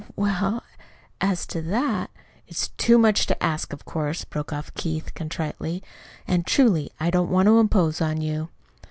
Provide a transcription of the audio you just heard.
"W well, as to that " "It's too much to ask, of course," broke off Keith contritely. "And, truly, I don't want to impose on you."